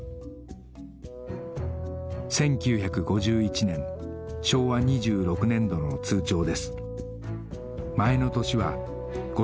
１９５１年昭和２６年度の通帳です